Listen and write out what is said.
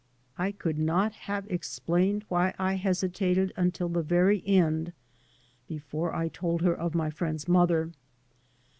1 could not have explained why I hesitated until the very end before I told her of my friend's mother.